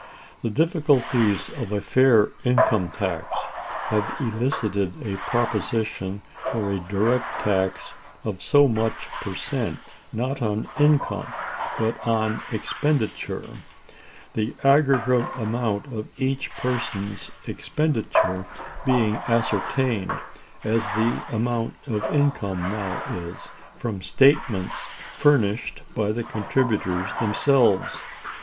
The difficulties of a fair income tax have elicited a proposition for a direct tax of so much per cent, not on income but on expenditure; the aggregate amount of each person's expenditure being ascertained as the amount of income now is, from statements furnished by the contributors themselves.